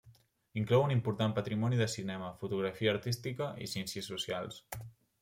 Inclou un important patrimoni de cinema, fotografia artística i ciències socials.